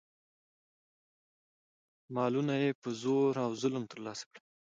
مالونه یې په زور او ظلم ترلاسه کړل.